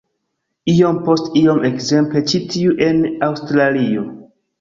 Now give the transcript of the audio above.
Iom post iom-- ekzemple, ĉi tiu en Aŭstralio.